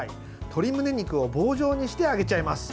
鶏むね肉を棒状にして揚げちゃいます。